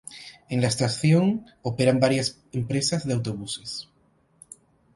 En la estación operan varias empresas de autobuses.